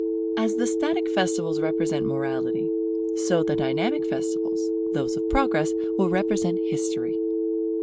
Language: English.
As the static festivals represent Morality, so the dynamic festivals, those of Progress, will represent History.